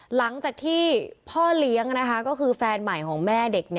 หลังจากที่พ่อเลี้ยงก็คือแฟนใหม่ของแม่เด็ก